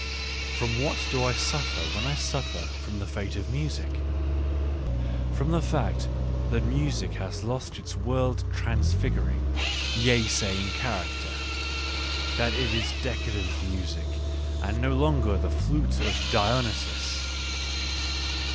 — From what do I suffer when I suffer from the fate of music ? From the fact that music has lost its world transfiguring, yea saying character — that it is decadent music and no longer the flute of Dionysus.